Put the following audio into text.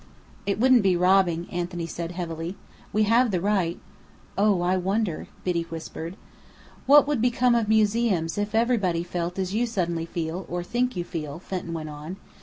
"It wouldn't be robbing," Anthony said, heavily, "we have the right " "Oh, I wonder?" Biddy whispered. "What would become of museums if everybody felt as you suddenly feel or think you feel?" Fenton went on.